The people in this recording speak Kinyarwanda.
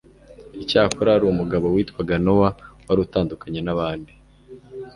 icyakora hari umugabo witwaga nowa wari utandukanye n'abandi